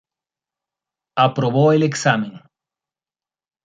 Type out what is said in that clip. Aprobó el examen.